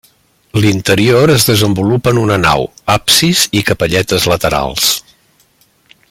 L'interior es desenvolupa en una nau, absis i capelletes laterals.